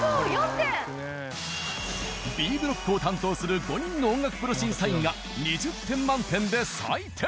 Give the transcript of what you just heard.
Ｂブロックを担当する５人の音楽プロ審査員が２０点満点で採点！